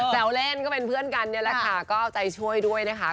แซวเล่นก็เป็นเพื่อนกันนี่แหละค่ะก็เอาใจช่วยด้วยนะคะ